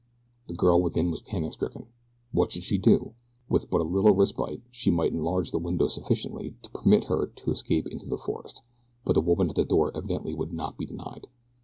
The girl within was panic stricken. What should she do? With but a little respite she might enlarge the window sufficiently to permit her to escape into the forest, but the woman at the door evidently would not be denied.